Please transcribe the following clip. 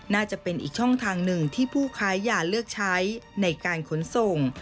น่าจะเป็นอีกช่องทางหนึ่งที่ผู้ค้ายาเลือกใช้ในการขนส่ง